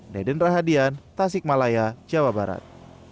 deden rahadian tasikmalaya jawa barat